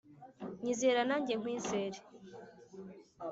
nyizera nange nkwizere ...